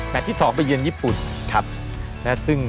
แผนที่๒เป็นเยี่ยมญี่ปุ่น